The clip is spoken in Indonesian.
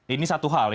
ini satu hal